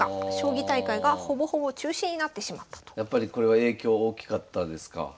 やっぱりこれは影響大きかったですか？